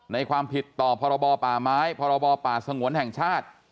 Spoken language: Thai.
ในความผิดต่อพรบป่าไม้พรบป่าสงวนแห่งชาติ